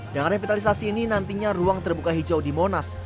dengan revitalisasi ini nantinya ruang terbuka hijau di monas